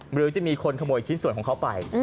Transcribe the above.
หรือจะมีคนขโมยชิ้นส่วนของเขาไป